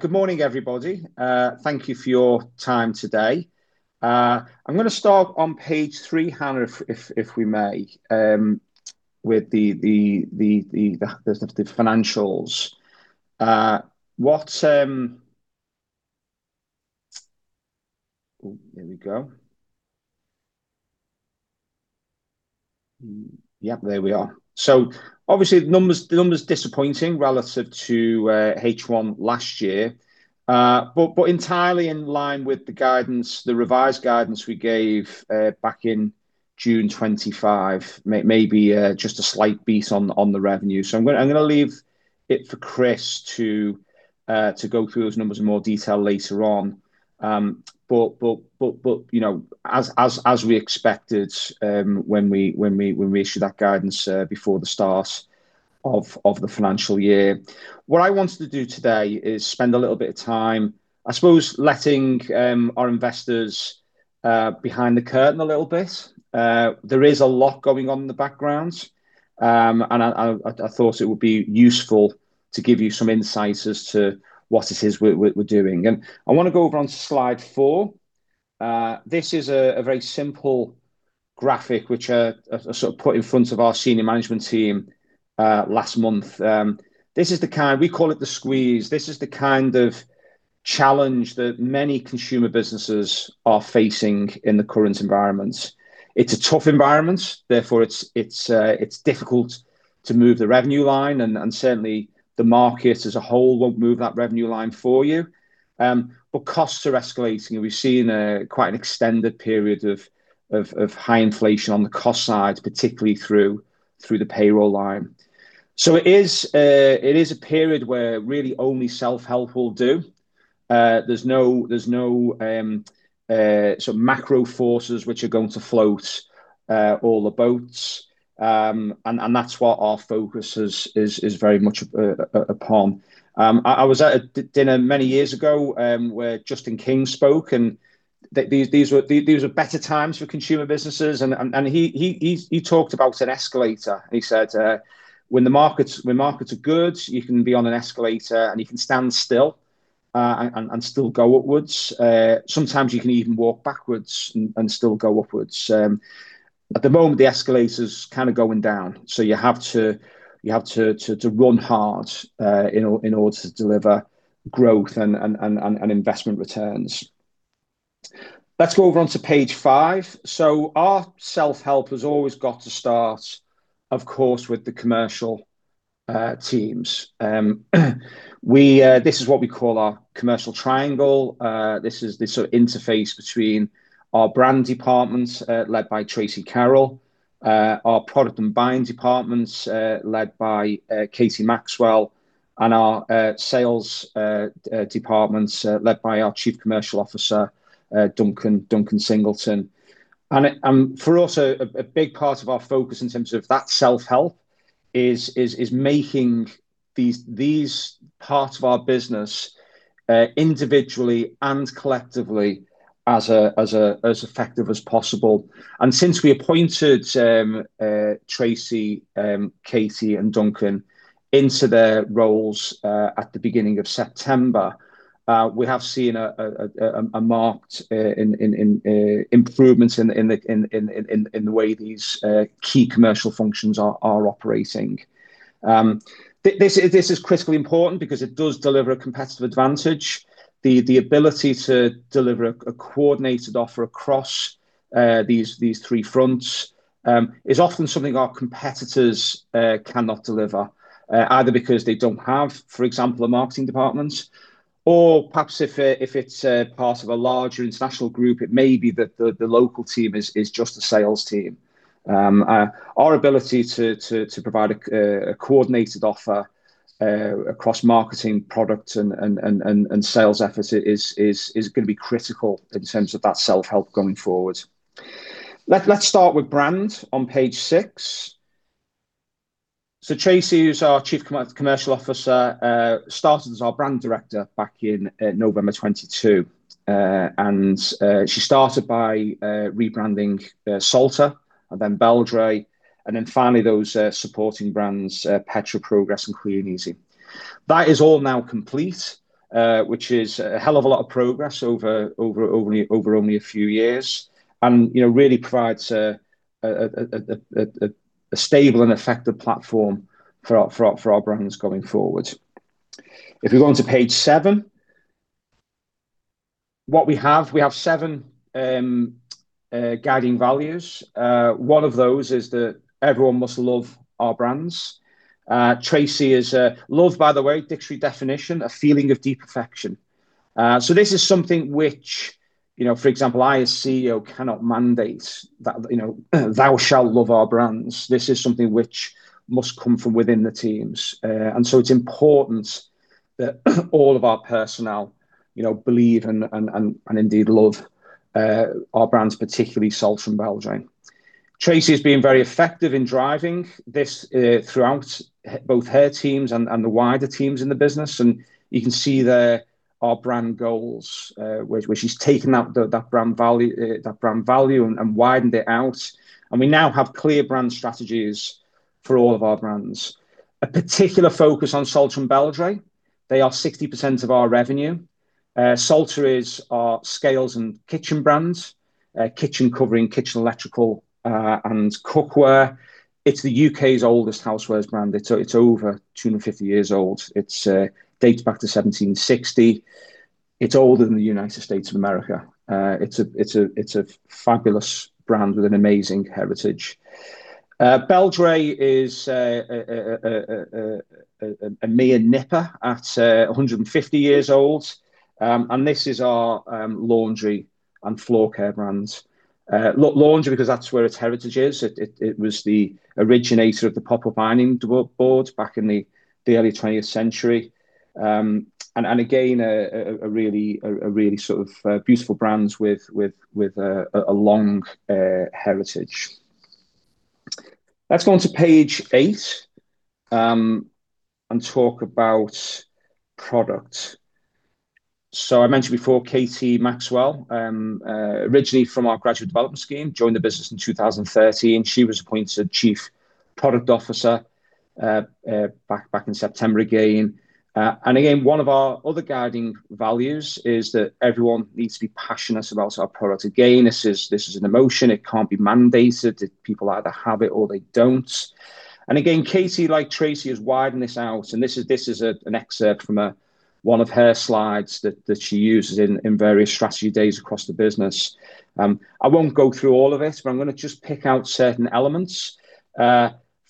Good morning, everybody. Thank you for your time today. I'm gonna start on page three, Hannah, if we may, with the financials. Obviously the numbers disappointing relative to H1 last year. Entirely in line with the guidance, the revised guidance we gave back in June 2025. Maybe just a slight beat on the revenue. I'm gonna leave it for Chris to go through those numbers in more detail later on. You know, as we expected, when we issued that guidance before the start of the financial year. What I wanted to do today is spend a little bit of time, I suppose, letting our investors behind the curtain a little bit. There is a lot going on in the background, and I thought it would be useful to give you some insights as to what it is we're doing. I wanna go over on slide four. This is a very simple graphic which I sort of put in front of our senior management team last month. We call it the squeeze. This is the kind of challenge that many consumer businesses are facing in the current environment. It's a tough environment, therefore it's difficult to move the revenue line and certainly the market as a whole won't move that revenue line for you. Costs are escalating, and we've seen quite an extended period of high inflation on the cost side, particularly through the payroll line. It is a period where really only self-help will do. There's no sort of macro forces which are going to float all the boats. That's what our focus is very much upon. I was at a dinner many years ago, where Justin King spoke, and these were better times for consumer businesses. He talked about an escalator. He said, when markets are good, you can be on an escalator, and you can stand still and still go upwards. Sometimes you can even walk backwards and still go upwards. At the moment, the escalator's kinda going down, so you have to run hard in order to deliver growth and investment returns. Let's go over onto page five. Our self-help has always got to start, of course, with the commercial teams. This is what we call our commercial triangle. This is the sort of interface between our brand departments, led by Tracy Carroll, our product and buying departments, led by Katie Maxwell, and our sales departments, led by our Chief Commercial Officer, Duncan Singleton. For us, a big part of our focus in terms of that self-help is making these parts of our business individually and collectively as effective as possible. Since we appointed Tracy, Katie and Duncan into their roles at the beginning of September, we have seen a marked improvement in the way these key commercial functions are operating. This is critically important because it does deliver a competitive advantage. The ability to deliver a coordinated offer across these three fronts is often something our competitors cannot deliver either because they don't have, for example, a marketing department or perhaps if it's part of a larger international group, it may be that the local team is just a sales team. Our ability to provide a coordinated offer across marketing, product and sales efforts is gonna be critical in terms of that self-help going forward. Let's start with brand on page six. Tracy, who's our Chief Marketing Officer, started as our brand director back in November 2022. She started by rebranding Salter and then Beldray, and then finally those supporting brands, Petra, Progress, and Kleeneze. That is all now complete, which is a hell of a lot of progress over only a few years, and you know, really provides a stable and effective platform for our brands going forward. If we go onto page seven, what we have, we have seven guiding values. One of those is that everyone must love our brands. Tracy is. Love, by the way, dictionary definition, a feeling of deep affection. So this is something which, you know, for example, I as CEO cannot mandate that, you know, thou shall love our brands. This is something which must come from within the teams. And so it's important that all of our personnel, you know, believe and indeed love our brands, particularly Salter and Beldray. Tracy has been very effective in driving this throughout both her teams and the wider teams in the business, and you can see there our brand goals, where she's taken up that brand value and widened it out. We now have clear brand strategies for all of our brands. A particular focus on Salter and Beldray. They are 60% of our revenue. Salter is our scales and kitchen brands, kitchen covering, kitchen electrical, and cookware. It's the U.K.'s oldest housewares brand. It's over 250 years old. It dates back to 1760. It's older than the United States of America. It's a fabulous brand with an amazing heritage. Beldray is a mere nipper at 150 years old. This is our laundry and floor care brand. Laundry, because that's where its heritage is. It was the originator of the pop-up ironing boards back in the early twentieth century. Again, a really sort of beautiful brands with a long heritage. Let's go on to page eight and talk about product. I mentioned before, Katie Maxwell, originally from our graduate development scheme, joined the business in 2013. She was appointed Chief Product Officer back in September again. Again, one of our other guiding values is that everyone needs to be passionate about our product. Again, this is an emotion, it can't be mandated. People either have it or they don't. Again, Katie, like Tracy, has widened this out, and this is an excerpt from one of her slides that she uses in various strategy days across the business. I won't go through all of it, but I'm gonna just pick out certain elements.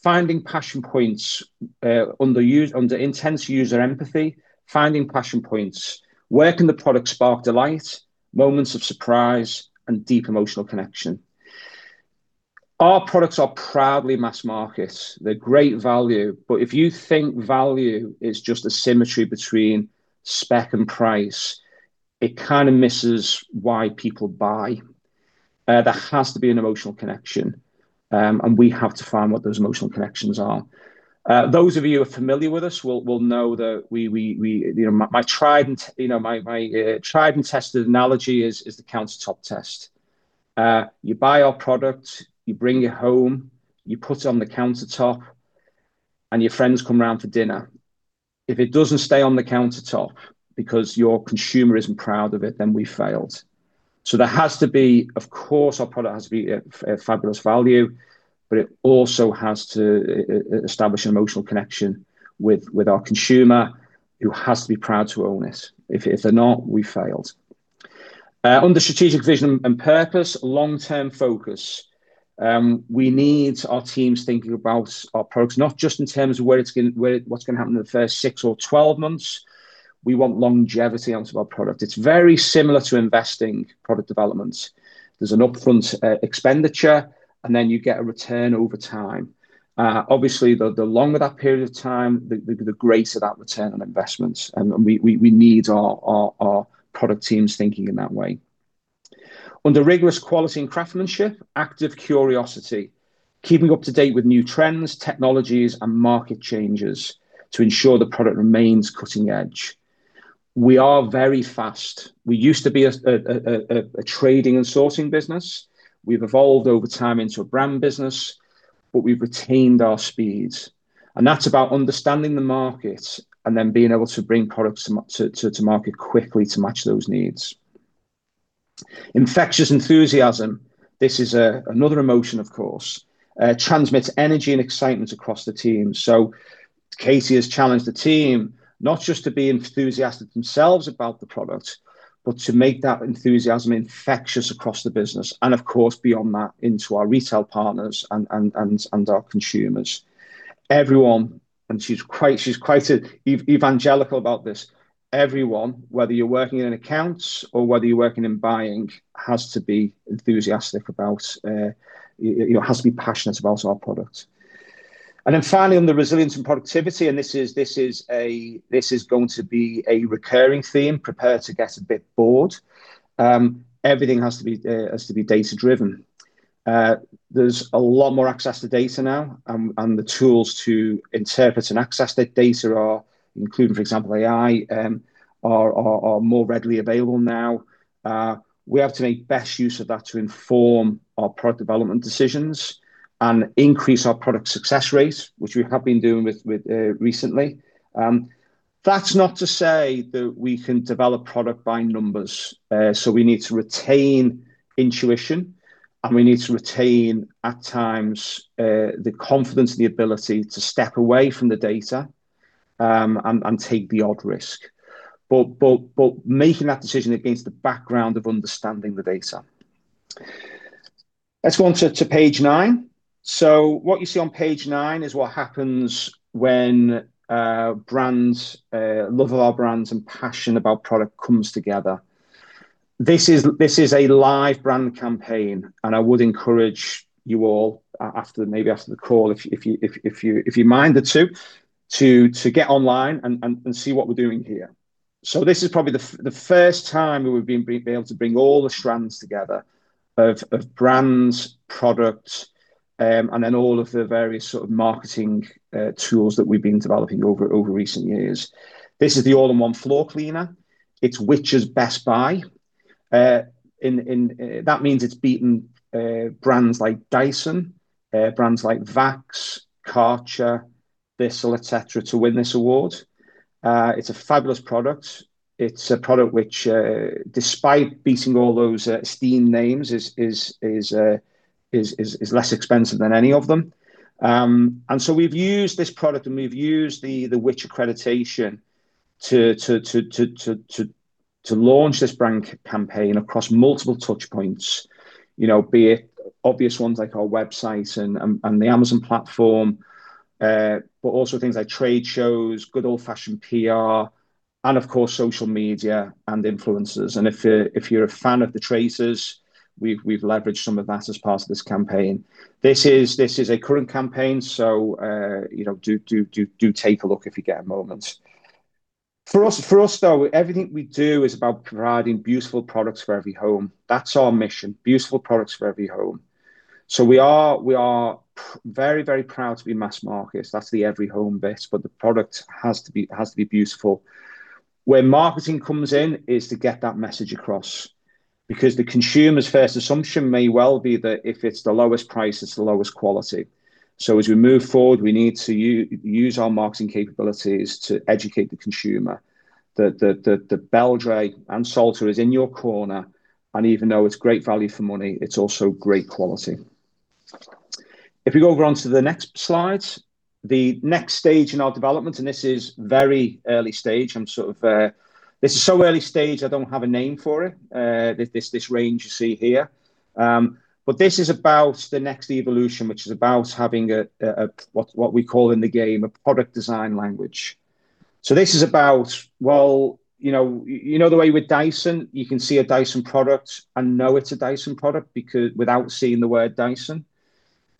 Finding passion points under intense user empathy, finding passion points. Where can the product spark delight, moments of surprise and deep emotional connection? Our products are proudly mass-market. They're great value, but if you think value is just a symmetry between spec and price, it kinda misses why people buy. There has to be an emotional connection. We have to find what those emotional connections are. Those of you who are familiar with us will know that You know, my tried and tested analogy is the countertop test. You buy our product, you bring it home, you put it on the countertop, and your friends come round for dinner. If it doesn't stay on the countertop because your consumer isn't proud of it, then we've failed. There has to be, of course, our product has to be a fabulous value, but it also has to establish an emotional connection with our consumer who has to be proud to own it. If they're not, we've failed. Under strategic vision and purpose, long-term focus. We need our teams thinking about our products, not just in terms of what's gonna happen in the first six or 12 months. We want longevity onto our product. It's very similar to investing product developments. There's an upfront expenditure, and then you get a return over time. Obviously, the longer that period of time, the greater that return on investments. We need our product teams thinking in that way. Under rigorous quality and craftsmanship, active curiosity. Keeping up to date with new trends, technologies, and market changes to ensure the product remains cutting edge. We are very fast. We used to be a trading and sourcing business. We've evolved over time into a brand business, but we've retained our speeds. That's about understanding the markets and then being able to bring products to market quickly to match those needs. Infectious enthusiasm. This is another emotion, of course. Transmits energy and excitement across the team. Katie has challenged the team not just to be enthusiastic themselves about the product, but to make that enthusiasm infectious across the business, and of course, beyond that, into our retail partners and our consumers. Everyone, and she's quite evangelical about this. Everyone, whether you're working in accounts or whether you're working in buying, has to be enthusiastic about, you know, has to be passionate about our product. Then finally, on the resilience and productivity, and this is going to be a recurring theme. Prepare to get a bit bored. Everything has to be data-driven. There's a lot more access to data now, and the tools to interpret and access that data are, including, for example, AI, more readily available now. We have to make best use of that to inform our product development decisions and increase our product success rates, which we have been doing with recently. That's not to say that we can develop product by numbers. We need to retain intuition, and we need to retain, at times, the confidence and the ability to step away from the data, and take the odd risk, making that decision against the background of understanding the data. Let's go on to page nine. What you see on page nine is what happens when brand love of our brands and passion about product comes together. This is a live brand campaign, and I would encourage you all after the call, if you're minded to get online and see what we're doing here. This is probably the first time we've been able to bring all the strands together of brands, products, and then all of the various sort of marketing tools that we've been developing over recent years. This is the all-in-one floor cleaner. It's Which? Best Buy, and that means it's beaten brands like Dyson, brands like Vax, Kärcher, Bissell, et cetera, to win this award. It's a fabulous product. It's a product which, despite beating all those esteemed names, is less expensive than any of them. We've used this product, and we've used the Which? accreditation to launch this brand campaign across multiple touch points, you know, be it obvious ones like our website and the Amazon platform, but also things like trade shows, good old-fashioned PR, and of course, social media and influencers. If you're a fan of The Traitors, we've leveraged some of that as part of this campaign. This is a current campaign, so you know, do take a look if you get a moment. For us though, everything we do is about providing beautiful products for every home. That's our mission. Beautiful products for every home. We are very, very proud to be mass market. That's the every home bit, but the product has to be beautiful. Where marketing comes in is to get that message across because the consumer's first assumption may well be that if it's the lowest price, it's the lowest quality. As we move forward, we need to use our marketing capabilities to educate the consumer that Beldray and Salter is in your corner, and even though it's great value for money, it's also great quality. If we go over onto the next slide. The next stage in our development, and this is very early stage. I'm sort of. This is so early stage, I don't have a name for it, this range you see here. This is about the next evolution, which is about having what we call in the game a product design language. This is about, well, you know the way with Dyson, you can see a Dyson product and know it's a Dyson product because without seeing the word Dyson?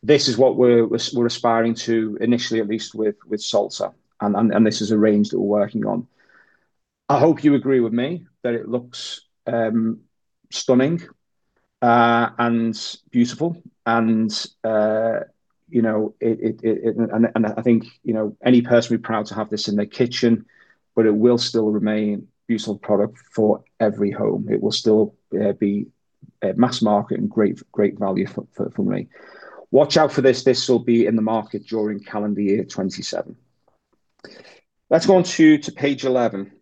This is what we're aspiring to initially, at least with Salter, and this is a range that we're working on. I hope you agree with me that it looks stunning and beautiful and, you know, I think, you know, any person would be proud to have this in their kitchen, but it will still remain beautiful product for every home. It will still be a mass market and great value for money. Watch out for this. This will be in the market during calendar year 2027. Let's go on to page 11.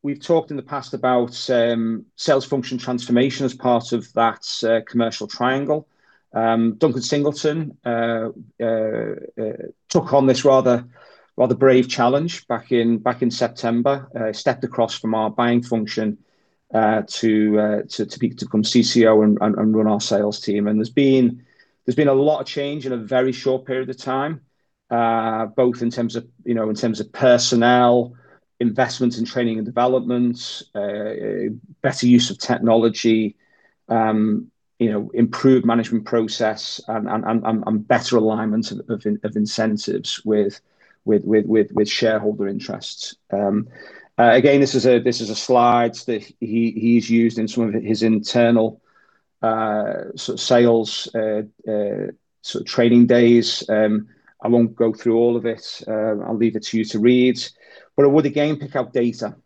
We've talked in the past about sales function transformation as part of that commercial triangle. Duncan Singleton took on this rather brave challenge back in September, stepped across from our buying function to become CCO and run our sales team. There's been a lot of change in a very short period of time, both in terms of personnel, investments in training and development, better use of technology, you know, improved management process and better alignment of incentives with shareholder interests. Again, this is a slide that he's used in some of his internal sales sort of training days. I won't go through all of it, I'll leave it to you to read. I would again pick up data.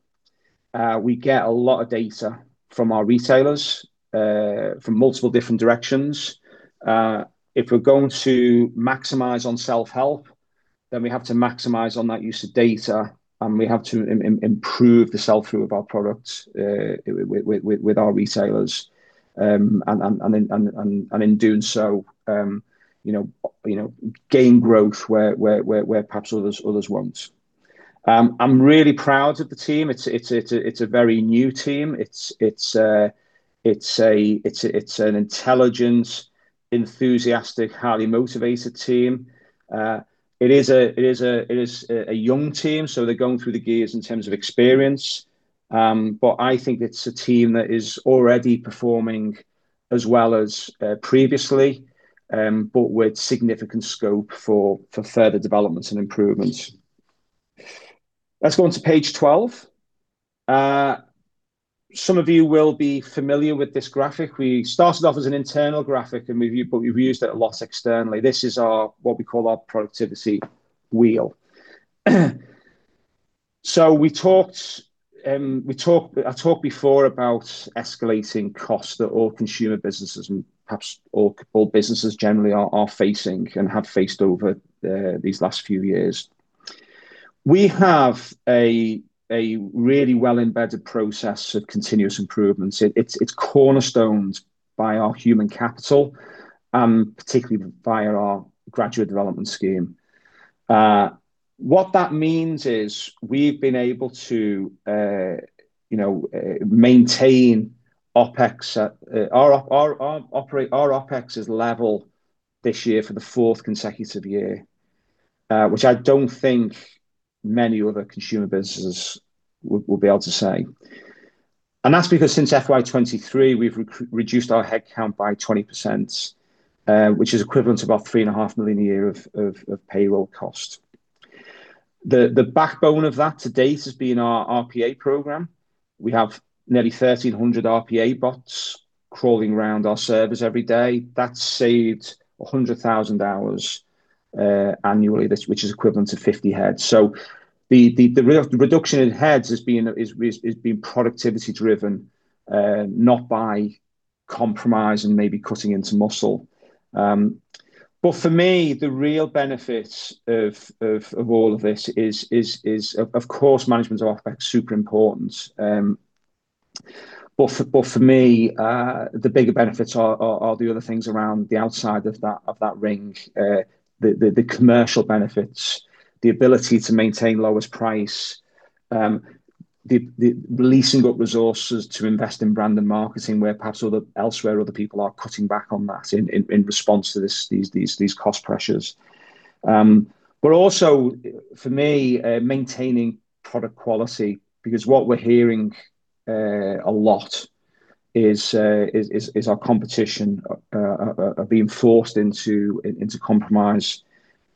We get a lot of data from our retailers, from multiple different directions. If we're going to maximize on self-help, then we have to maximize on that use of data, and we have to improve the sell-through of our products with our retailers. In doing so, you know, gain growth where perhaps others won't. I'm really proud of the team. It's a very new team. It's an intelligent, enthusiastic, highly motivated team. It is a young team, so they're going through the gears in terms of experience. But I think it's a team that is already performing as well as previously, but with significant scope for further developments and improvements. Let's go on to page 12. Some of you will be familiar with this graphic. We started off as an internal graphic, but we've used it a lot externally. This is our, what we call our productivity wheel. So I talked before about escalating costs that all consumer businesses and perhaps all businesses generally are facing and have faced over these last few years. We have a really well-embedded process of continuous improvements. It's cornerstoned by our human capital, particularly via our graduate development scheme. What that means is we've been able to, you know, Our OpEx is level this year for the fourth consecutive year, which I don't think many other consumer businesses will be able to say. That's because since FY2023, we've reduced our headcount by 20%, which is equivalent to about 3.5 million a year of payroll cost. The backbone of that to date has been our RPA program. We have nearly 1,300 RPA bots crawling around our servers every day. That's saved 100,000 hours annually, which is equivalent to 50 heads. The real reduction in heads has been productivity driven, not by compromise and maybe cutting into muscle. For me, the real benefits of all of this is of course management of super important. For me, the bigger benefits are the other things around the outside of that range. The commercial benefits, the ability to maintain lowest price, the freeing up resources to invest in brand and marketing where perhaps others elsewhere are cutting back on that in response to these cost pressures. Also for me, maintaining product quality because what we're hearing a lot is our competition being forced into compromise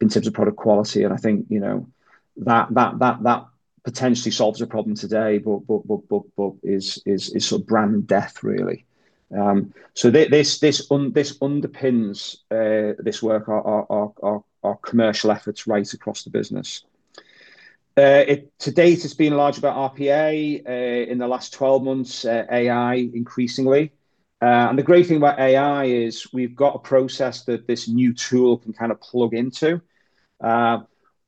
in terms of product quality, and I think, you know, that potentially solves a problem today, but is sort of brand death really. This underpins this work, our commercial efforts right across the business. To date, it has been largely about RPA in the last 12 months, AI increasingly. The great thing about AI is we've got a process that this new tool can kind of plug into.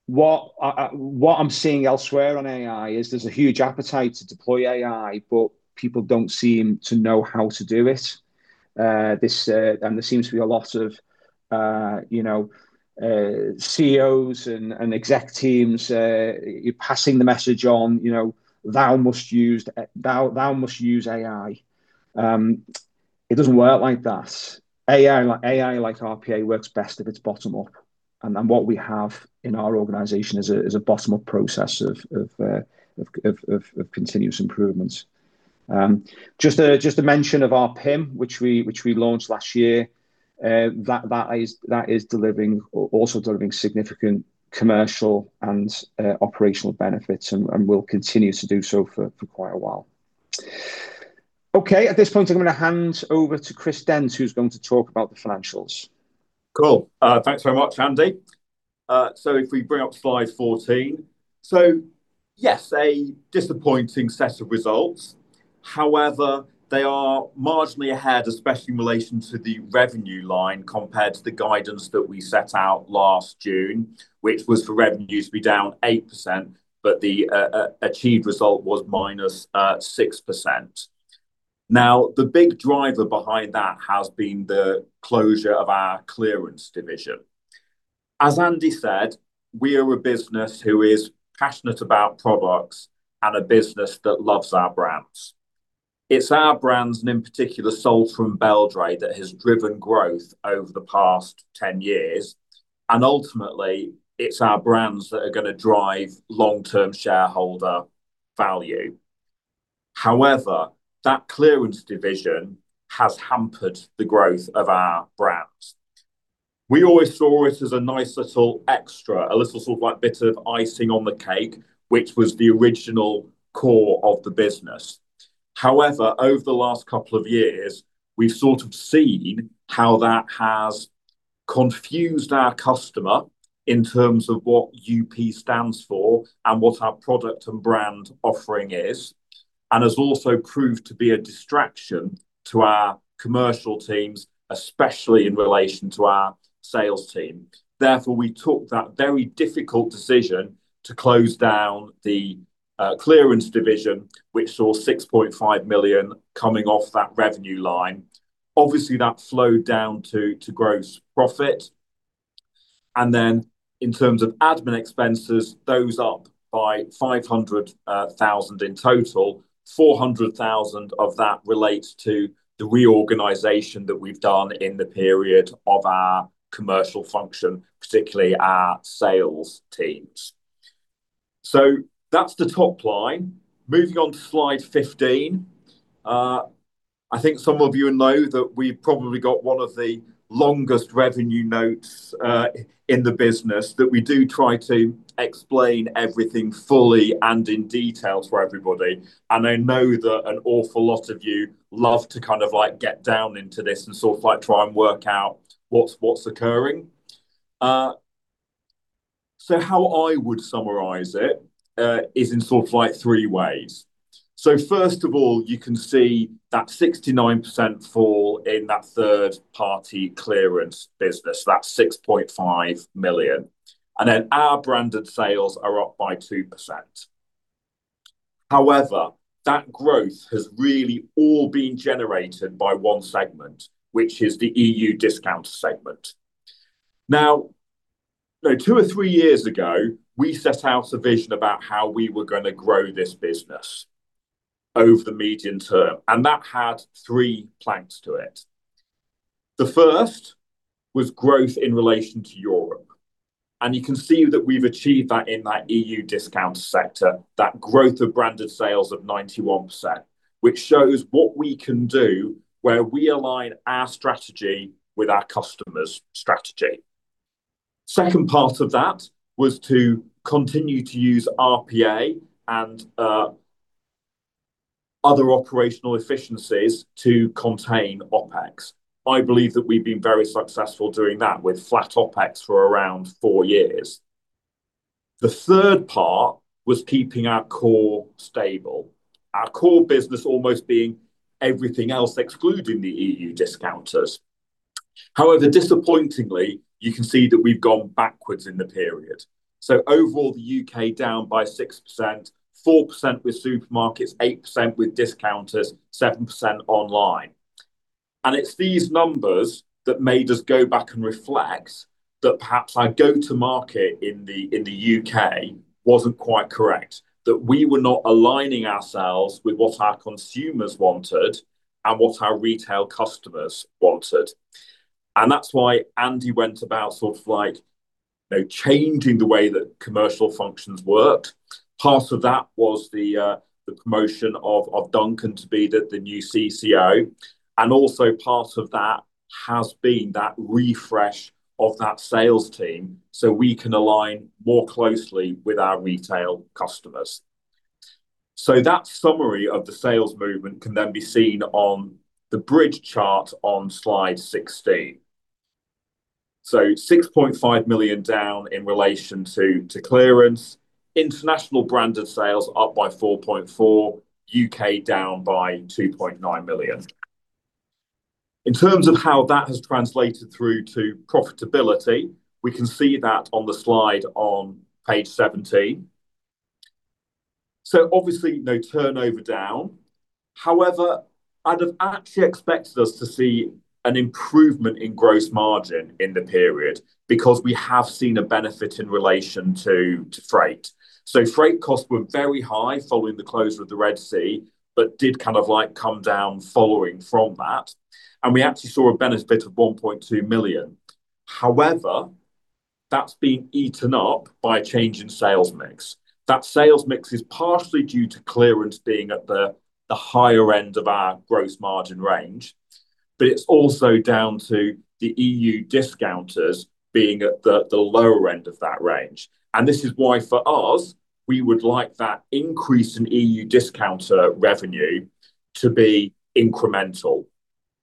What I'm seeing elsewhere on AI is there's a huge appetite to deploy AI, but people don't seem to know how to do it. This seems to be a lot of, you know, CEOs and exec teams passing the message on, you know, "Thou must use AI." It doesn't work like that. AI, like RPA works best if it's bottom up, and what we have in our organization is a bottom up process of continuous improvements. Just a mention of our PIM, which we launched last year. That is delivering or also delivering significant commercial and operational benefits and will continue to do so for quite a while. Okay. At this point, I'm gonna hand over to Chris Dent who's going to talk about the financials. Cool. Thanks very much, Andy. If we bring up slide 14. Yes, a disappointing set of results. However, they are marginally ahead, especially in relation to the revenue line compared to the guidance that we set out last June, which was for revenue to be down 8%, but the achieved result was -6%. Now, the big driver behind that has been the closure of our clearance division. As Andy said, we are a business who is passionate about products and a business that loves our brands. It's our brands, and in particular Salter and Beldray that has driven growth over the past 10 years, and ultimately, it's our brands that are gonna drive long-term shareholder value. However, that clearance division has hampered the growth of our brands. We always saw it as a nice little extra, a little sort of like bit of icing on the cake, which was the original core of the business. However, over the last couple of years, we've sort of seen how that has confused our customer in terms of what UP stands for and what our product and brand offering is, and has also proved to be a distraction to our commercial teams, especially in relation to our sales team. Therefore, we took that very difficult decision to close down the clearance division, which saw 6.5 million coming off that revenue line. Obviously, that slowed down to gross profit. In terms of admin expenses, those up by 500,000 in total, 400,000 of that relates to the reorganization that we've done in the period of our commercial function, particularly our sales teams. That's the top line. Moving on to slide 15. I think some of you know that we've probably got one of the longest revenue notes in the business, that we do try to explain everything fully and in detail for everybody. I know that an awful lot of you love to kind of like get down into this and sort of like try and work out what's occurring. How I would summarize it is in sort of like three ways. First of all, you can see that 69% fall in that third-party clearance business, that's 6.5 million, and then our branded sales are up by 2%. However, that growth has really all been generated by one segment, which is the EU discount segment. Now, you know, two or three years ago, we set out a vision about how we were gonna grow this business over the medium term, and that had three planks to it. The first was growth in relation to Europe, and you can see that we've achieved that in that EU discount sector, that growth of branded sales of 91%, which shows what we can do where we align our strategy with our customers' strategy. Second part of that was to continue to use RPA and other operational efficiencies to contain OpEx. I believe that we've been very successful doing that with flat OpEx for around four years. The third part was keeping our core stable, our core business almost being everything else excluding the EU discounters. However, disappointingly, you can see that we've gone backwards in the period. Overall, the U.K. down by 6%, 4% with supermarkets, 8% with discounters, 7% online. It's these numbers that made us go back and reflect that perhaps our go-to-market in the U.K. wasn't quite correct, that we were not aligning ourselves with what our consumers wanted and what our retail customers wanted. That's why Andy went about sort of like, you know, changing the way that commercial functions worked. Part of that was the promotion of Duncan to be the new CCO, and also part of that has been that refresh of that sales team so we can align more closely with our retail customers. That summary of the sales movement can then be seen on the bridge chart on slide 16. 6.5 million down in relation to clearance. International branded sales up by 4.4 million. U.K. down by 2.9 million. In terms of how that has translated through to profitability, we can see that on the slide on page 17. Obviously, you know, turnover down. However, I'd have actually expected us to see an improvement in gross margin in the period because we have seen a benefit in relation to freight. Freight costs were very high following the closure of the Red Sea but did kind of like come down following from that, and we actually saw a benefit of 1.2 million. However, that's been eaten up by a change in sales mix. That sales mix is partially due to clearance being at the higher end of our gross margin range, but it's also down to the EU discounters being at the lower end of that range. This is why for us we would like that increase in EU discounter revenue to be incremental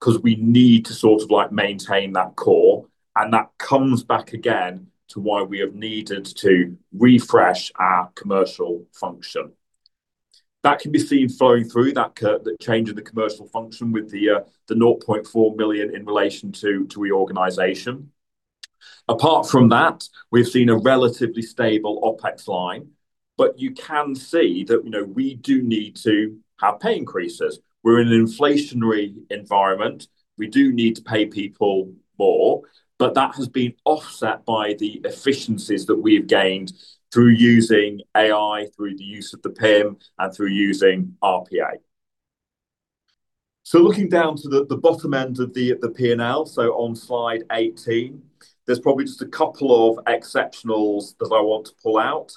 'cause we need to sort of like maintain that core, and that comes back again to why we have needed to refresh our commercial function. That can be seen flowing through that change in the commercial function with the nought point four million in relation to reorganization. Apart from that, we've seen a relatively stable OpEx line, but you can see that, you know, we do need to have pay increases. We're in an inflationary environment. We do need to pay people more, but that has been offset by the efficiencies that we have gained through using AI, through the use of the PIM, and through using RPA. Looking down to the bottom end of the P&L, on slide 18, there's probably just a couple of exceptionals that I want to pull out,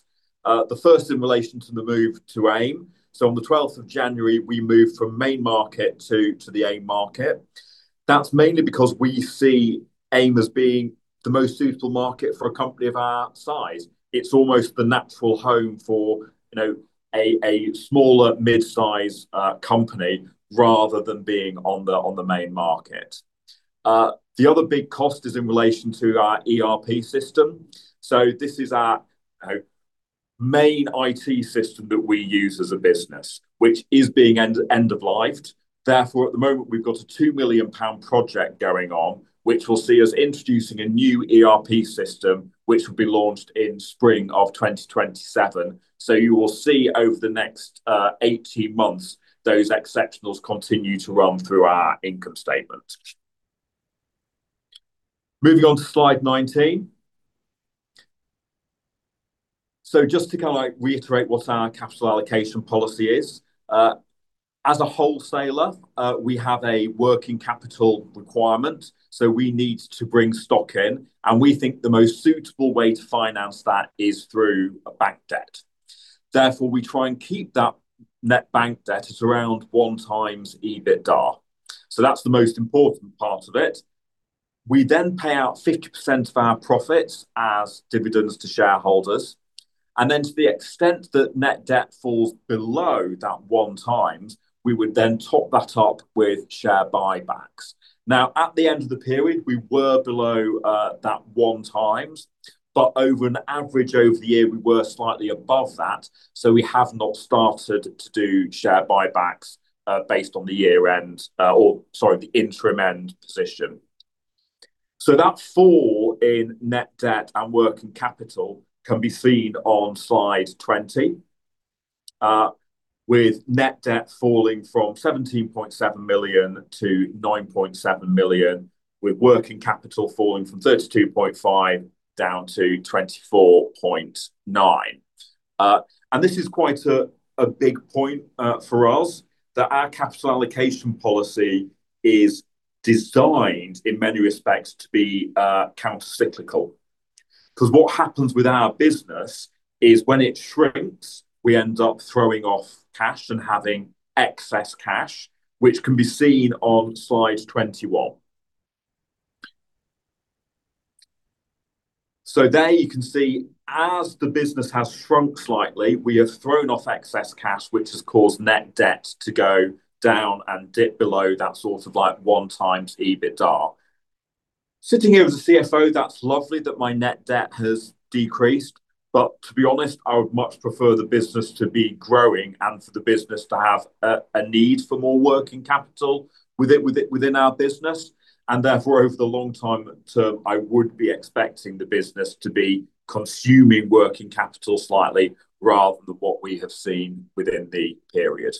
the first in relation to the move to AIM. On the 12th of January, we moved from Main Market to the AIM Market. That's mainly because we see AIM as being the most suitable market for a company of our size. It's almost the natural home for, you know, a smaller mid-size company rather than being on the Main Market. The other big cost is in relation to our ERP system. This is our, you know, main IT system that we use as a business which is being end of lifed, therefore at the moment we've got a 2 million pound project going on which will see us introducing a new ERP system which will be launched in spring of 2027. You will see over the next 18 months those exceptionals continue to run through our income statement. Moving on to slide 19. Just to kinda like reiterate what our capital allocation policy is, as a wholesaler, we have a working capital requirement, so we need to bring stock in, and we think the most suitable way to finance that is through a bank debt. Therefore, we try and keep that net bank debt at around one times EBITDA. That's the most important part of it. We then pay out 50% of our profits as dividends to shareholders, and then to the extent that net debt falls below that one times, we would then top that up with share buybacks. Now, at the end of the period, we were below that one times, but over an average over the year we were slightly above that, so we have not started to do share buybacks based on the year-end, or sorry, the interim end position. That fall in net debt and working capital can be seen on slide 20, with net debt falling from 17.7 million to 9.7 million, with working capital falling from 32.5 million down to 24.9 million. This is quite a big point for us, that our capital allocation policy is designed in many respects to be countercyclical. 'Cause what happens with our business is when it shrinks, we end up throwing off cash and having excess cash which can be seen on slide 21. There you can see as the business has shrunk slightly, we have thrown off excess cash, which has caused net debt to go down and dip below that sort of like 1x EBITDA. Sitting here as a CFO, that's lovely that my net debt has decreased, but to be honest, I would much prefer the business to be growing and for the business to have a need for more working capital with it within our business and therefore over the long-term, I would be expecting the business to be consuming working capital slightly rather than what we have seen within the period.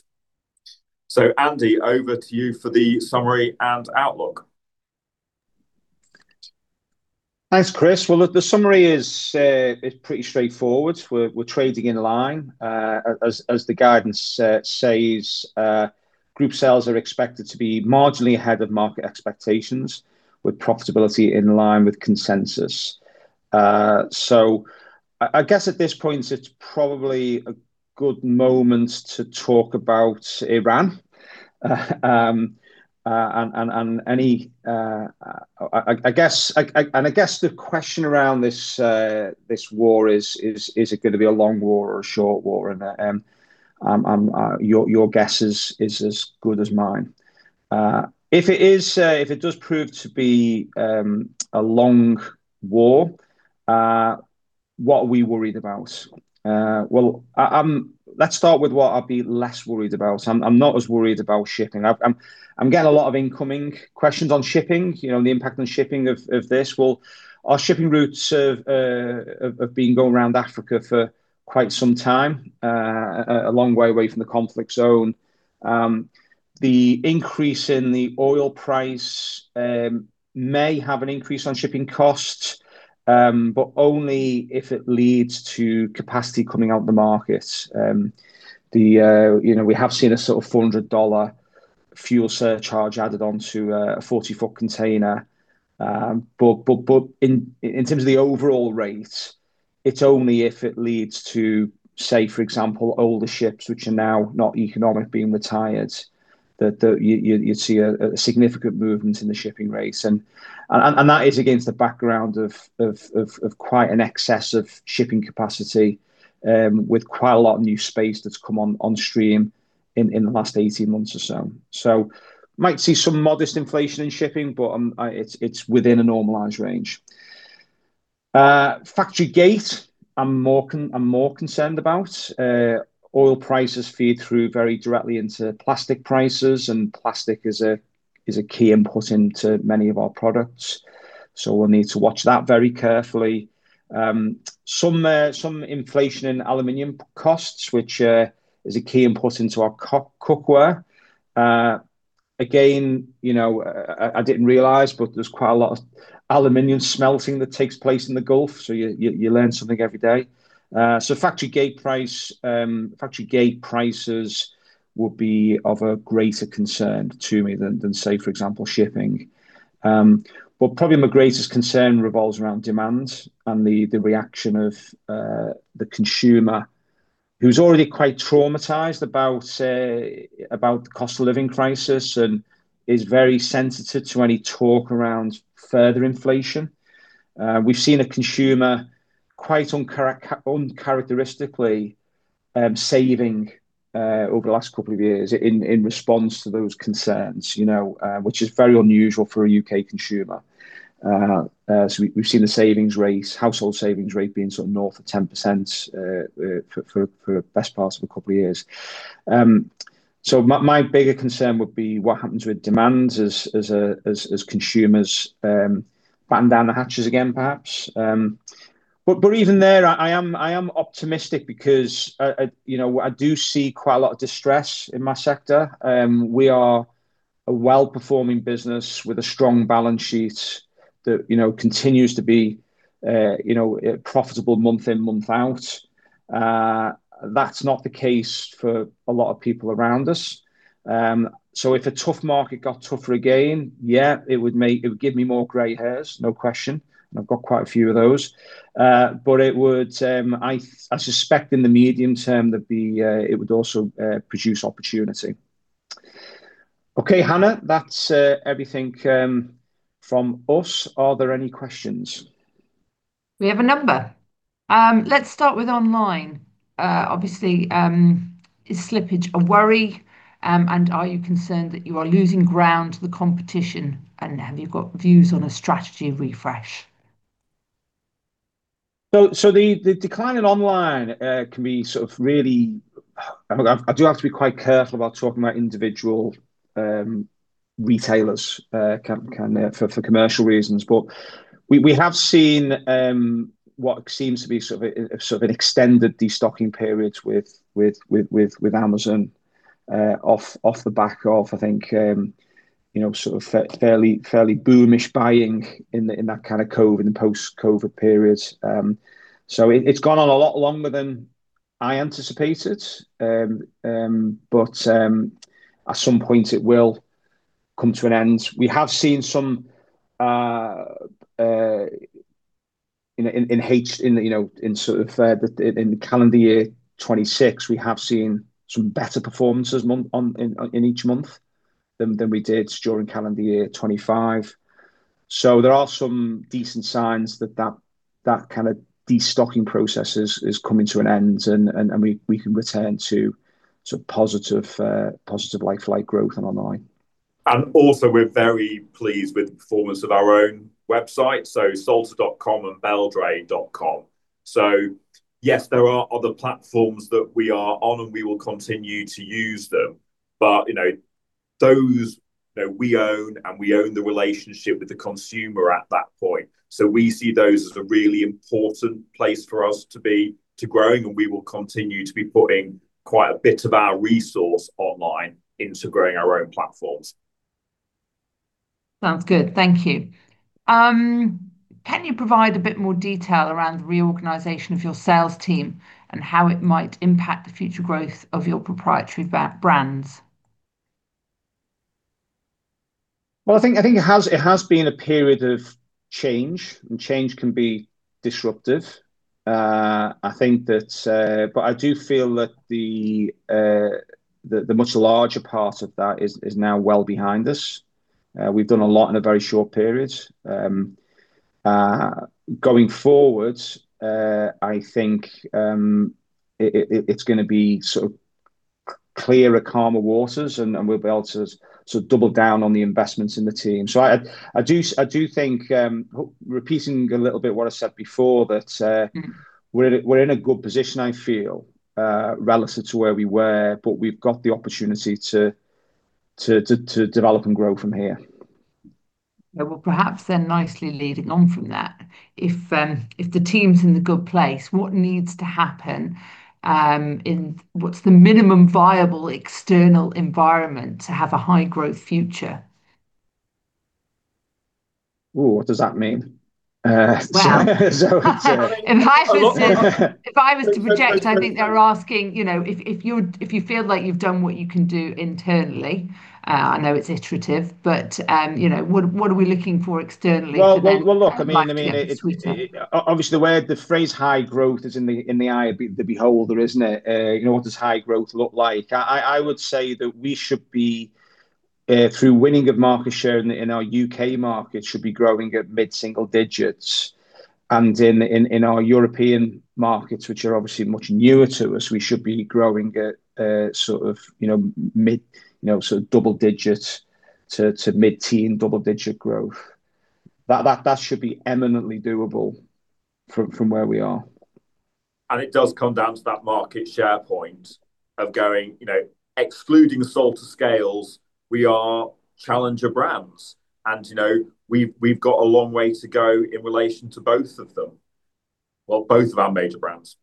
Andy, over to you for the summary and outlook. Thanks, Chris. Well, look, the summary is pretty straightforward. We're trading in line. As the guidance says, group sales are expected to be marginally ahead of market expectations with profitability in line with consensus. I guess at this point it's probably a good moment to talk about Iran. I guess the question around this war is it gonna be a long war or a short war and your guess is as good as mine. If it does prove to be a long war, what are we worried about? Well, let's start with what I'd be less worried about. I'm not as worried about shipping. I'm getting a lot of incoming questions on shipping, you know, and the impact on shipping of this. Well, our shipping routes have been going around Africa for quite some time, a long way away from the conflict zone. The increase in the oil price may have an increase on shipping costs, but only if it leads to capacity coming out the markets. You know, we have seen a sort of GBP 400 fuel surcharge added onto a 40-foot container. But in terms of the overall rates, it's only if it leads to, say, for example, older ships which are now not economic being retired, that you'd see a significant movement in the shipping rates. That is against the background of quite an excess of shipping capacity, with quite a lot of new space that's come on stream in the last 18 months or so. Might see some modest inflation in shipping, but it's within a normalized range. Factory gate, I'm more concerned about. Oil prices feed through very directly into plastic prices, and plastic is a key input into many of our products. We'll need to watch that very carefully. Some inflation in aluminum costs, which is a key input into our cookware. Again, you know, I didn't realize, but there's quite a lot of aluminum smelting that takes place in the Gulf, so you learn something every day. Factory gate prices would be of a greater concern to me than, say, for example, shipping. Probably my greatest concern revolves around demand and the reaction of the consumer who's already quite traumatized about the cost of living crisis and is very sensitive to any talk around further inflation. We've seen a consumer quite uncharacteristically saving over the last couple of years in response to those concerns, you know, which is very unusual for a U.K. consumer. We've seen the savings rates, household savings rate being sort of north of 10%, for the best part of a couple of years. My bigger concern would be what happens with demands as consumers batten down the hatches again, perhaps. Even there, I am optimistic because you know, I do see quite a lot of distress in my sector. We are a well-performing business with a strong balance sheet that you know continues to be you know profitable month in, month out. That's not the case for a lot of people around us. If a tough market got tougher again, yeah, it would give me more gray hairs, no question, and I've got quite a few of those. It would, I suspect in the medium term, that it would also produce opportunity. Okay, Hannah, that's everything from us. Are there any questions? We have a number. Let's start with online. Obviously, is slippage a worry, and are you concerned that you are losing ground to the competition? Have you got views on a strategy refresh? The decline in online can be sort of really. I do have to be quite careful about talking about individual retailers, can I? For commercial reasons. We have seen what seems to be sort of an extended destocking period with Amazon off the back of, I think, you know, sort of fairly boomish buying in that kind of COVID in the post-COVID period. It's gone on a lot longer than I anticipated. At some point it will come to an end. We have seen some in H1, you know, in sort of the calendar year 2026, we have seen some better performances month-on-month in each month than we did during calendar year 2025. There are some decent signs that that kind of de-stocking process is coming to an end, and we can return to positive like for like growth in online. Also we're very pleased with the performance of our own website, so salter.com and beldray.com. Yes, there are other platforms that we are on, and we will continue to use them, but, you know, those that we own, and we own the relationship with the consumer at that point, so we see those as a really important place for us to be, to growing, and we will continue to be putting quite a bit of our resource online into growing our own platforms. Sounds good. Thank you. Can you provide a bit more detail around the reorganization of your sales team and how it might impact the future growth of your proprietary brands? Well, I think it has been a period of change, and change can be disruptive. I think that, but I do feel that the much larger part of that is now well behind us. We've done a lot in a very short period. Going forward, I think it's gonna be sort of clearer, calmer waters, and we'll be able to sort of double down on the investments in the team. I do think repeating a little bit what I said before, that we're in a good position, I feel, relative to where we were, but we've got the opportunity to develop and grow from here. Yeah. Well, perhaps then nicely leading on from that, if the team's in a good place, what needs to happen, what's the minimum viable external environment to have a high growth future? Ooh, what does that mean? Well, If I was to project, I think they're asking, you know, if you feel like you've done what you can do internally. I know it's iterative, but you know, what are we looking for externally to then maximize the opportunity? Well, look, I mean. Obviously the word, the phrase high growth is in the eye of the beholder, isn't it? You know, what does high growth look like? I would say that we should be through winning of market share in our U.K. market, should be growing at mid-single digits, and in our European markets, which are obviously much newer to us, we should be growing at sort of, you know, mid, you know, sort of double digits to mid-teen double digit growth. That should be eminently doable from where we are. It does come down to that market share point of going, you know, excluding Salter scales, we are challenger brands, and, you know, we've got a long way to go in relation to both of them, well, both of our major brands.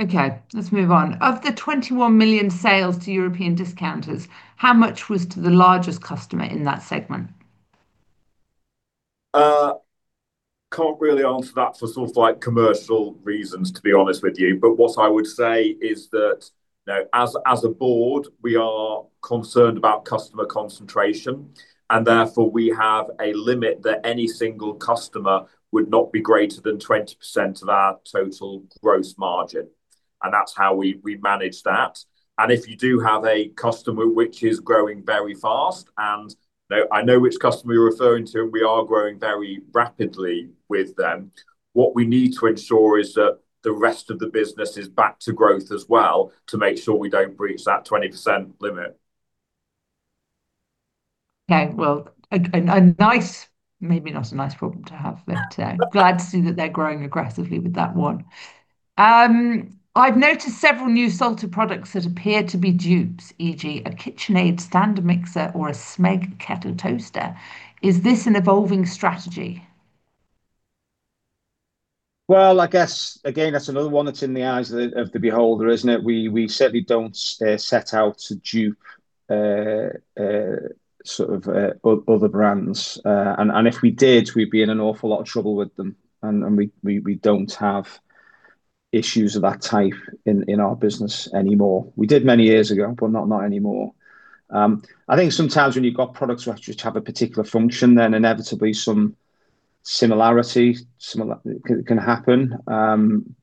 Okay, let's move on. Of the 21 million sales to European discounters, how much was to the largest customer in that segment? Can't really answer that for sort of like commercial reasons, to be honest with you. What I would say is that, you know, as a board, we are concerned about customer concentration, and therefore we have a limit that any single customer would not be greater than 20% of our total gross margin, and that's how we manage that. If you do have a customer which is growing very fast, and, you know, I know which customer you're referring to, we are growing very rapidly with them, what we need to ensure is that the rest of the business is back to growth as well to make sure we don't breach that 20% limit. Okay. Well, a nice, maybe not a nice problem to have, but glad to see that they're growing aggressively with that one. I've noticed several new Salter products that appear to be dupes, e.g. a KitchenAid stand mixer or a Smeg kettle toaster. Is this an evolving strategy? Well, I guess, again, that's another one that's in the eyes of the beholder, isn't it? We certainly don't set out to dupe sort of other brands. If we did, we'd be in an awful lot of trouble with them, and we don't have issues of that type in our business anymore. We did many years ago, but not anymore. I think sometimes when you've got products which have a particular function, then inevitably some similarity can happen.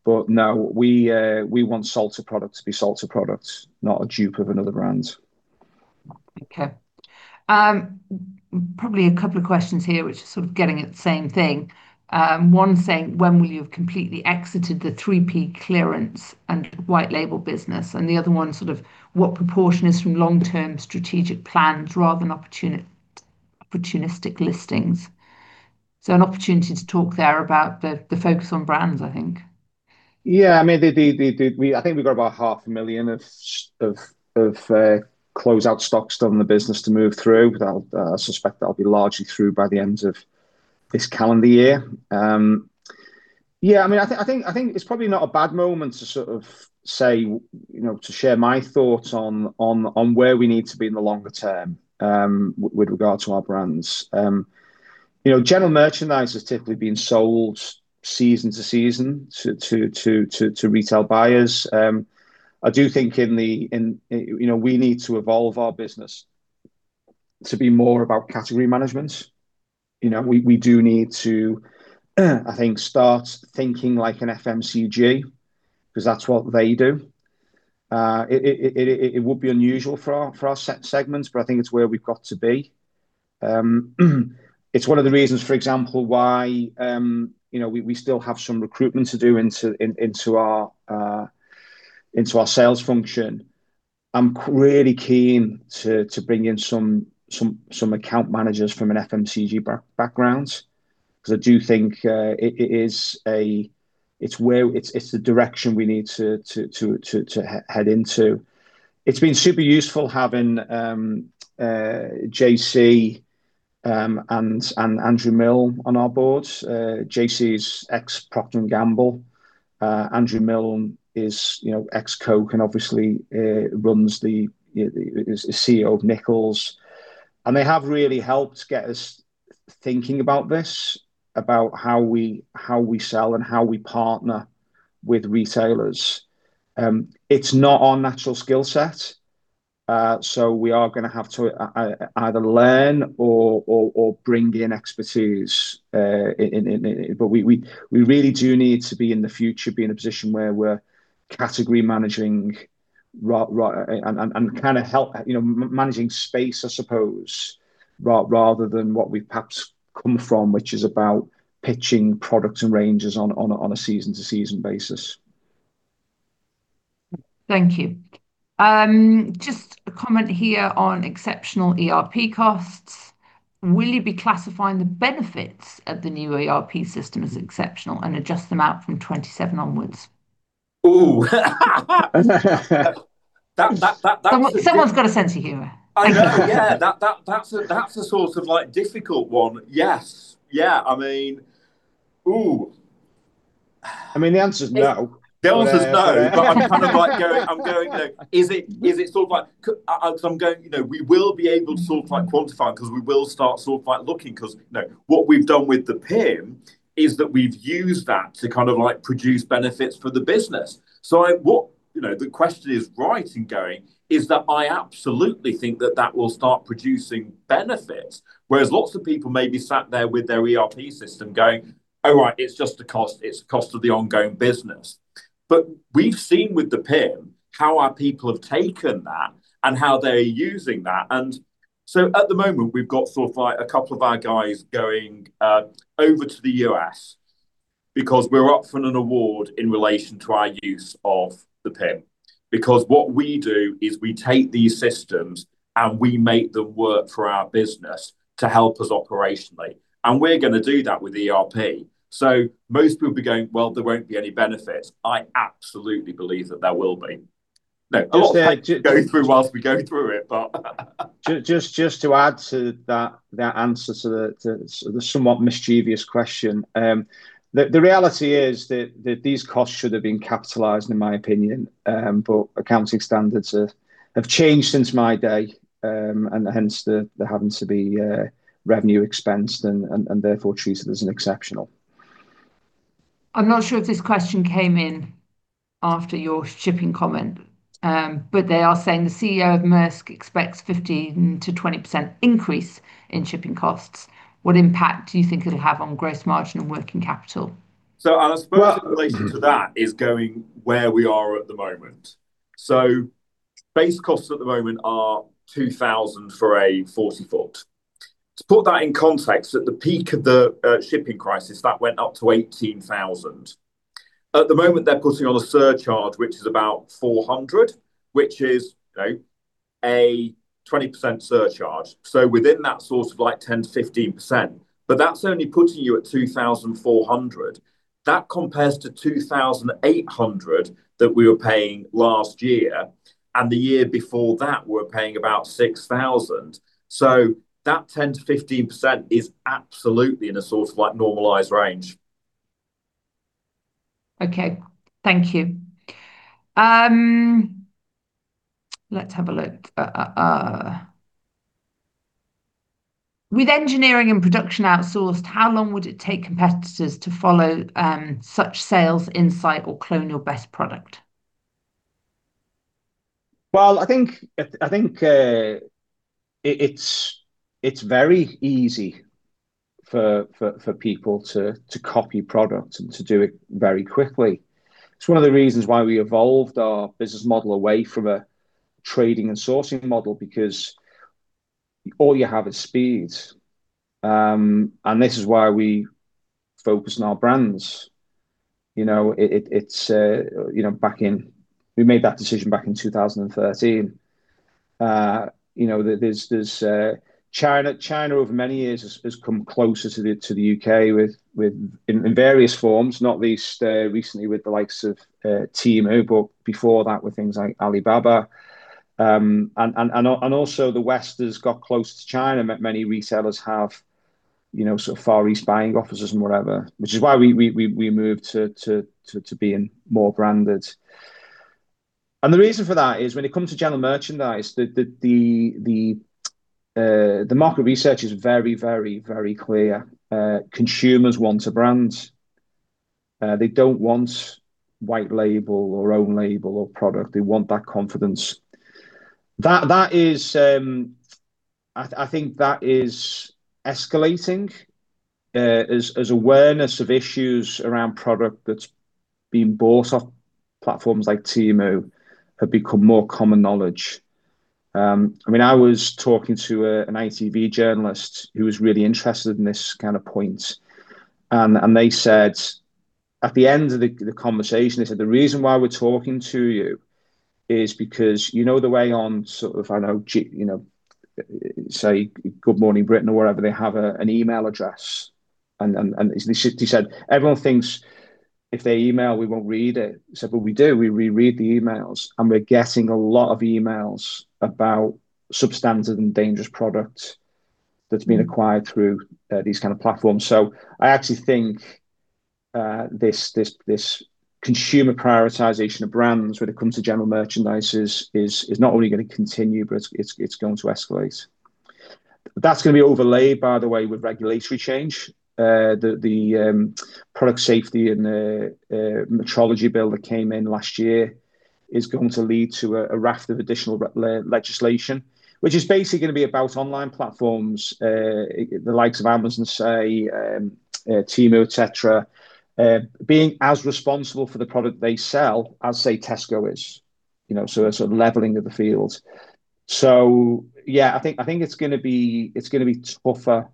No, we want Salter products to be Salter products, not a dupe of another brand. Okay. Probably a couple of questions here which are sort of getting at the same thing. One saying, "When will you have completely exited the 3P clearance and white label business?" And the other one, sort of, "What proportion is from long-term strategic plans rather than opportunistic listings?" An opportunity to talk there about the focus on brands, I think. Yeah. I mean, I think we've got about half a million of closeout stock still in the business to move through, but I suspect that'll be largely through by the end of this calendar year. Yeah, I mean, I think it's probably not a bad moment to sort of say, you know, to share my thoughts on where we need to be in the longer term, with regard to our brands. You know, general merchandise has typically been sold season to season to retail buyers. I do think, you know, we need to evolve our business to be more about category management. You know, we do need to, I think, start thinking like an FMCG, 'cause that's what they do. It would be unusual for our segments, but I think it's where we've got to be. It's one of the reasons, for example, why, you know, we still have some recruitment to do into our sales function. I'm really keen to bring in some account managers from an FMCG background, 'cause I do think it is where it's the direction we need to head into. It's been super useful having J.C. and Andrew Milne on our boards. J.C.'s ex-Procter & Gamble. Andrew Milne is, you know, ex-Coke, and obviously is CEO of Nichols. They have really helped get us thinking about this, about how we sell and how we partner with retailers. It's not our natural skill set, so we are gonna have to either learn or bring in expertise. We really do need to, in the future, be in a position where we're category managing and kind of help, you know, managing space, I suppose, rather than what we've perhaps come from, which is about pitching products and ranges on a season-to-season basis. Thank you. Just a comment here on exceptional ERP costs. Will you be classifying the benefits of the new ERP system as exceptional and adjust them out from 2027 onwards? Ooh. That Someone got a sense of humor. I know, yeah. That's a sort of, like, difficult one. Yes. Yeah. I mean, the answer's no. The answer's no. I'm kind of going, like, is it sort of, like, I'm sort of going, you know, we will be able to sort of, like, quantify it 'cause we will start sort of, like, looking, 'cause, you know, what we've done with the PIM is that we've used that to kind of, like, produce benefits for the business. The question is right in going is that I absolutely think that that will start producing benefits, whereas lots of people may be sat there with their ERP system going, "All right. It's just a cost. It's a cost of the ongoing business." We've seen with the PIM how our people have taken that and how they're using that. At the moment we've got sort of, like, a couple of our guys going over to the U.S. because we're up for an award in relation to our use of the PIM. Because what we do is we take these systems and we make them work for our business to help us operationally, and we're gonna do that with ERP. Most people would be going, "Well, there won't be any benefits." I absolutely believe that there will be. I would say to go through whilst we go through it. Just to add to that answer to the somewhat mischievous question, the reality is that these costs should have been capitalized in my opinion, but accounting standards have changed since my day, and hence they're having to be revenue expensed and therefore treated as an exceptional. I'm not sure if this question came in after your shipping comment, but they are saying the CEO of Maersk expects 15% to 20% increase in shipping costs. What impact do you think it'll have on gross margin and working capital? Our first reaction to that is going where we are at the moment. Base costs at the moment are 2,000 for a 40 ft. To put that in context, at the peak of the shipping crisis, that went up to 18,000. At the moment they're putting on a surcharge which is about 400, which is, you know, a 20% surcharge, so within that sort of like 10%-15%. But that's only putting you at 2,400. That compares to 2,800 that we were paying last year, and the year before that we were paying about 6,000. That 10% to 15% is absolutely in a sort of like normalized range. Okay, thank you. Let's have a look. With engineering and production outsourced, how long would it take competitors to follow such sales insight or clone your best product? Well, I think it's very easy for people to copy product and to do it very quickly. It's one of the reasons why we evolved our business model away from a trading and sourcing model because all you have is speed. This is why we focus on our brands. You know, we made that decision back in 2013. You know, China over many years has come closer to the U.K. within various forms, not least recently with the likes of Temu but before that with things like Alibaba. Also the West has got close to China, many retailers have, you know, sort of Far East buying offices and whatever, which is why we moved to being more branded. The reason for that is when it comes to general merchandise the market research is very clear. Consumers want a brand. They don't want white label or own label or product. They want that confidence. That is, I think, escalating as awareness of issues around product that's been bought off platforms like Temu have become more common knowledge. I mean, I was talking to an ITV journalist who was really interested in this kind of point, and they said, at the end of the conversation, they said, "The reason why we're talking to you is because you know the way on sort of, I don't know, you know, say Good Morning Britain or wherever they have an email address." And he said, "Everyone thinks if they email, we won't read it." He said, "But we do, we re-read the emails, and we're getting a lot of emails about substandard and dangerous products that's been acquired through these kind of platforms." I actually think this consumer prioritization of brands when it comes to general merchandise is not only gonna continue, but it's going to escalate. That's gonna be overlaid, by the way, with regulatory change. The Product Safety and Metrology regulations that came in last year is going to lead to a raft of additional legislation, which is basically gonna be about online platforms, the likes of Amazon, say, Temu, et cetera, being as responsible for the product they sell as, say, Tesco is, you know, so a sort of leveling of the playing field. Yeah, I think it's gonna be tougher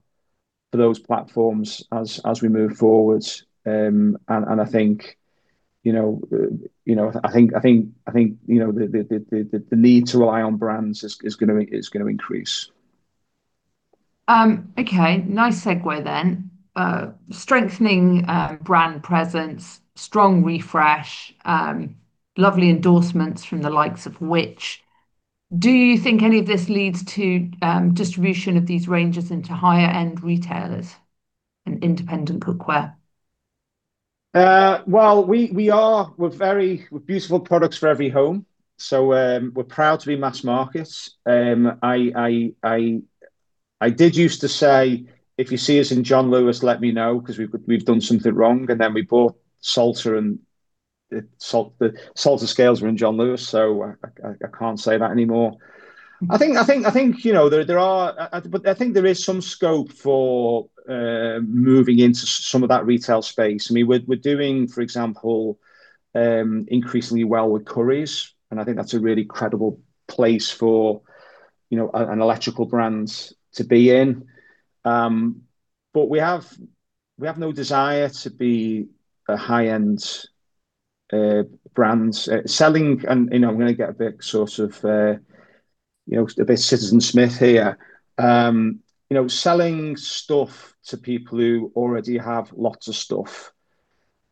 for those platforms as we move forward. I think, you know, the need to rely on brands is gonna increase. Okay. Nice segue then. Strengthening brand presence, strong refresh, lovely endorsements from the likes of Which? Do you think any of this leads to distribution of these ranges into higher end retailers and independent cookware? We're beautiful products for every home, so we're proud to be mass markets. I used to say, "If you see us in John Lewis, let me know, because we've done something wrong." Then we bought Salter, and the Salter scales were in John Lewis, so I can't say that anymore. I think, you know, there are, but I think there is some scope for moving into some of that retail space. I mean, we're doing, for example, increasingly well with Currys, and I think that's a really credible place for, you know, an electrical brand to be in. We have no desire to be a high-end brand. I'm gonna get a bit sort of, you know, a bit Citizen Smith here, you know, selling stuff to people who already have lots of stuff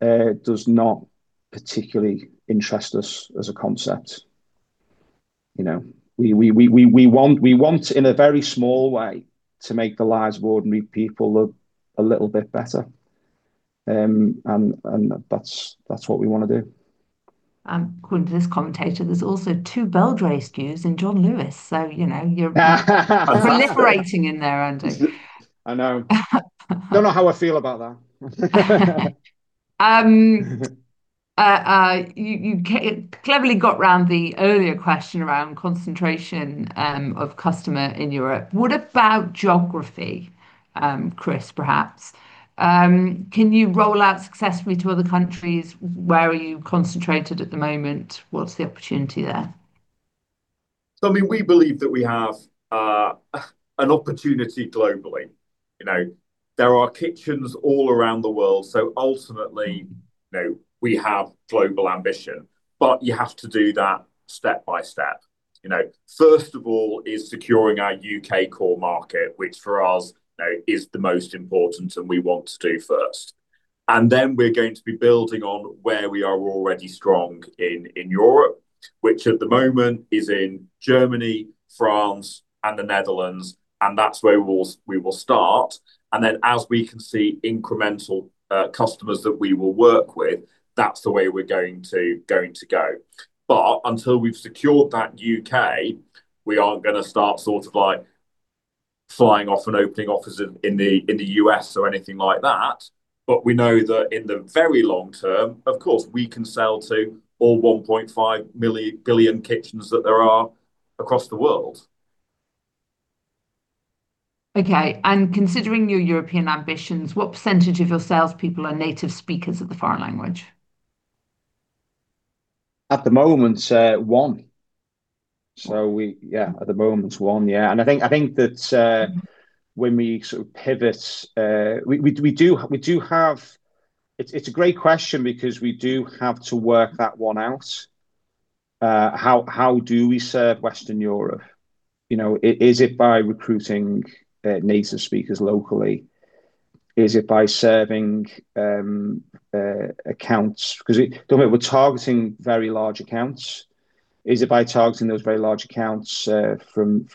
does not particularly interest us as a concept. You know, we want, in a very small way, to make the lives of ordinary people a little bit better. That's what we wanna do. According to this commentator, there's also two Beldray SKUs in John Lewis, so, you know, you're proliferating in there, Andy. I know. Don't know how I feel about that. You cleverly got around the earlier question around concentration of customers in Europe. What about geography, Chris, perhaps? Can you roll out successfully to other countries? Where are you concentrated at the moment? What's the opportunity there? I mean, we believe that we have an opportunity globally, you know. There are kitchens all around the world, so ultimately, you know, we have global ambition. But you have to do that step by step, you know. First of all is securing our U.K. core market, which for us, you know, is the most important and we want to do first. And then we're going to be building on where we are already strong in Europe, which at the moment is in Germany, France, and The Netherlands, and that's where we will start. And then as we can see incremental customers that we will work with, that's the way we're going to go. But until we've secured that U.K., we aren't gonna start sort of like flying off and opening offices in the U.S. or anything like that. We know that in the very long term, of course, we can sell to all 1.5 billion kitchens that there are across the world. Okay. Considering your European ambitions, what percentage of your salespeople are native speakers of the foreign language? At the moment, it's one. I think that when we sort of pivot, it's a great question because we do have to work that one out. How do we serve Western Europe? You know, is it by recruiting native speakers locally? Is it by serving accounts? Because don't forget, we're targeting very large accounts. Is it by targeting those very large accounts from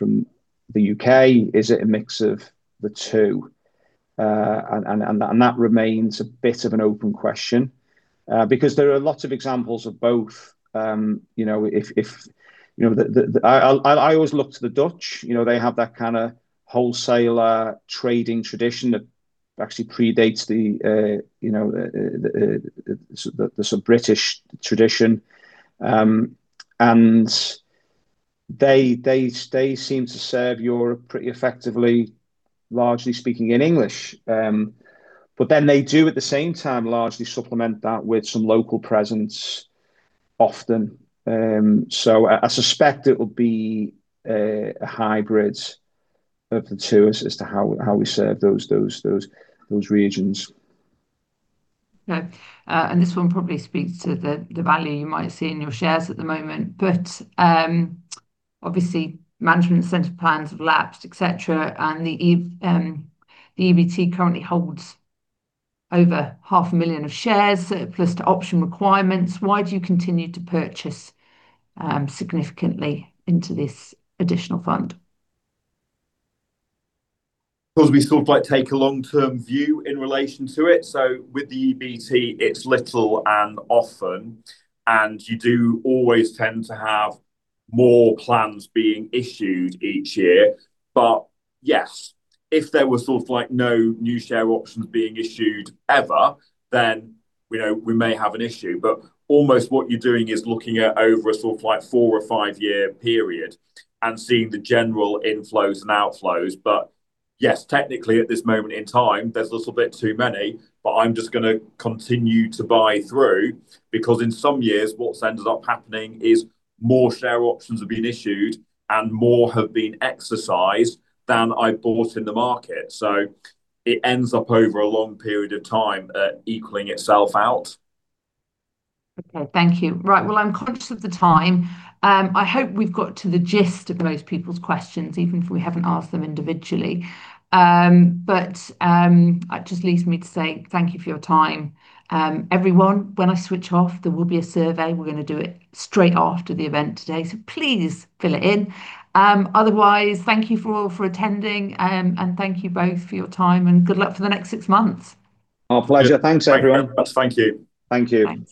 the U.K.? Is it a mix of the two? That remains a bit of an open question because there are lots of examples of both. You know, I always look to the Dutch, you know. They have that kinda wholesaler trading tradition that actually predates the, you know, the sort of British tradition. They seem to serve Europe pretty effectively, largely speaking in English. They do at the same time largely supplement that with some local presence often. I suspect it would be a hybrid of the two as to how we serve those regions. Okay. This one probably speaks to the value you might see in your shares at the moment, but obviously management incentive plans have lapsed, et cetera, and the EBT currently holds over half a million of shares surplus to option requirements. Why do you continue to purchase significantly into this additional fund? Cause we sort of like take a long-term view in relation to it. With the EBT, it's little and often, and you do always tend to have more plans being issued each year. Yes, if there was sort of like no new share options being issued ever, then, you know, we may have an issue. Almost what you're doing is looking at over a sort of like four or five-year period and seeing the general inflows and outflows. Yes, technically at this moment in time, there's a little bit too many. I'm just gonna continue to buy through, because in some years what ends up happening is more share options have been issued and more have been exercised than I bought in the market. It ends up over a long period of time, equaling itself out. Okay. Thank you. Right. Well, I'm conscious of the time. I hope we've got to the gist of most people's questions, even if we haven't asked them individually. That just leaves me to say thank you for your time, everyone. When I switch off, there will be a survey. We're gonna do it straight after the event today, so please fill it in. Otherwise, thank you all for attending, and thank you both for your time, and good luck for the next six months. Our pleasure. Thanks everyone. Thank you very much. Thank you. Thank you.